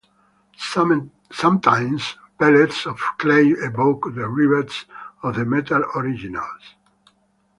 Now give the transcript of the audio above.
Sometimes pellets of clay evoke the rivets of the metal originals.